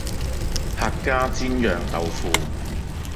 客家煎釀豆腐